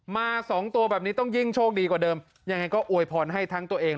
มาสองตัวแบบนี้ต้องยิ่งโชคดีกว่าเดิมยังไงก็อวยพรให้ทั้งตัวเอง